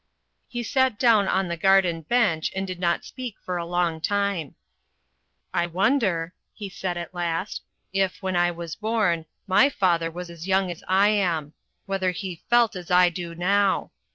He sat down on the garden bench, and did not speak for a long time. "I wonder," he said at last, "if, when I was born, MY father was as young as I am: whether he felt as I do now.